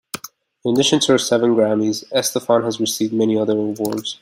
In addition to her seven Grammys, Estefan has received many other awards.